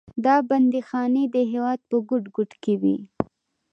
دا بندیخانې د هېواد په ګوټ ګوټ کې وې.